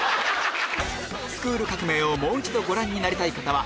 『スクール革命！』をもう一度ご覧になりたい方は